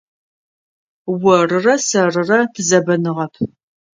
Орырэ сэрырэ тызэбэныгъэп.